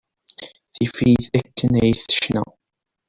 Tif-it akken ay tecna.